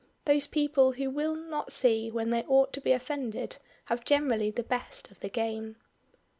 Those people who will not see when they ought to be offended have generally the best of the game.